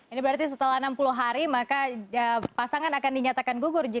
ini berarti setelah enam puluh hari maka pasangan akan dinyatakan gugur